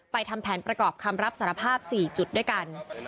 ทำแผนประกอบคำรับสารภาพ๔จุดด้วยกัน